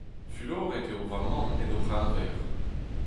Fuloret eo va mamm en o c'heñver.